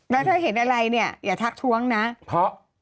แล้วถ้าเห็นอะไรเนี่ยอย่าทักท้วงนะเพราะ